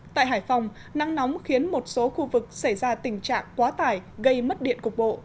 tại hải phòng nắng nóng khiến một số khu vực xảy ra tình trạng quá tải gây mất điện cục bộ